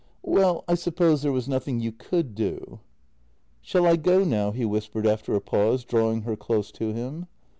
Well, I suppose there was nothing you could do." " Shall I go now ?" he whispered after a pause, drawing her close to him.